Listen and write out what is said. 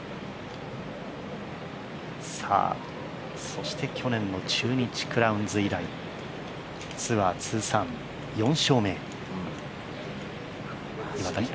そして去年の中日クラウンズ以来ツアー通算４勝目、岩田寛。